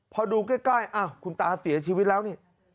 พอดูใกล้อ้าวคุณตาเสียชีวิตแล้วนี่